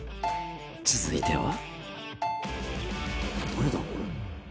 続いては。